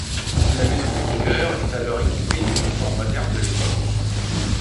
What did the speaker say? La maison de Kruger est alors équipée du confort moderne de l'époque.